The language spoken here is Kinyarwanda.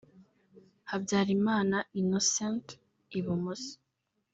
Habyarimana Innocent (Ibumoso)